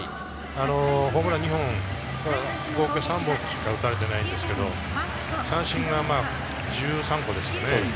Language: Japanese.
ホームラン２本、合計３本しか打たれてないんですけど、三振が１３個ですよね。